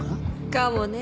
かもね。